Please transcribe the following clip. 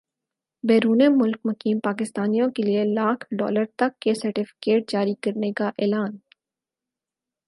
بیرون ملک مقیم پاکستانیوں کیلئے لاکھ ڈالر تک کے سرٹفکیٹ جاری کرنے کا اعلان